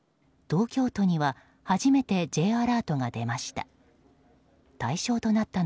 東京都には初めてＪアラートが出ました。